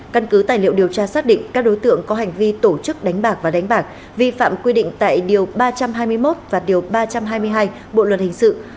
căn cứ tài liệu điều tra xác định các đối tượng có hành vi tổ chức đánh bạc và đánh bạc vi phạm quy định tại điều ba trăm hai mươi một và điều ba trăm hai mươi hai bộ luật hình sự